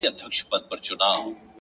اراده د ستونزو له منځه لار جوړوي.!